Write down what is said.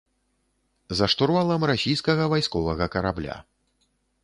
За штурвалам расійскага вайсковага карабля.